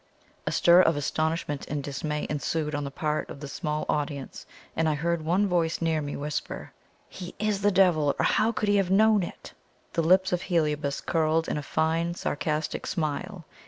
A stir of astonishment and dismay ensued on the part of the small audience, and I heard one voice near me whisper: "He IS the devil, or how could he have known it?" The lips of Heliobas curled in a fine sarcastic smile.